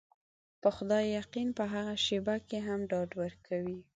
په خدای يقين په هغه شېبه کې هم ډاډ ورکوي.